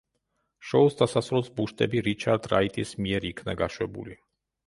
შოუს დასასრულს ბუშტები რიჩარდ რაიტის მიერ იქნა გაშვებული.